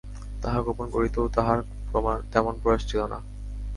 তাহা গোপন করিতেও তাঁহার তেমন প্রয়াস ছিল না।